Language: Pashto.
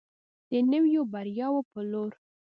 د نویو بریاوو په لور.